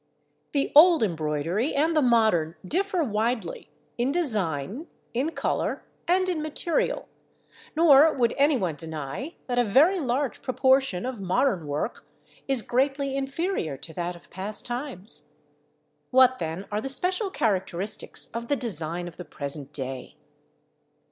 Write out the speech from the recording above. The old embroidery and the modern differ widely in design, in colour, and in material; nor would any one deny that a very large proportion of modern work is greatly inferior to that of past times. What, then, are the special characteristics of the design of the present day?